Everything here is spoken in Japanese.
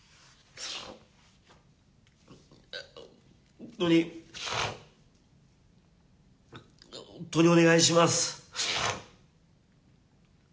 本当に、本当にお願いします。